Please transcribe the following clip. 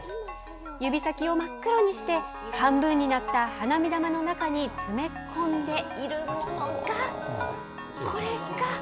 指先を真っ黒にして、半分になった花火玉の中に詰め込んでいるものが。